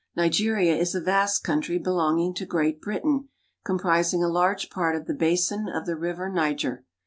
Nigeria is a vast country belonging to Great Britain, comprising a large part of the basin of the river Niger.